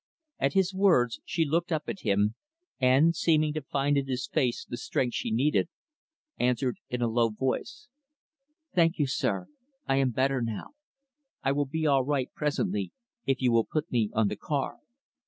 At his words, she looked up at him and seeming to find in his face the strength she needed answered in a low voice, "Thank you, sir; I am better now. I will he all right, presently, if you will put me on the car."